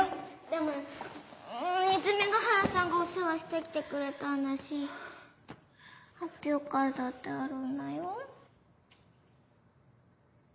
でも泉ヶ原さんがお世話して来てくれたんだし発表会だってあるんだよ？